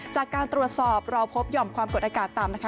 จากการตรวจสอบเราพบหย่อมความกดอากาศต่ำนะคะ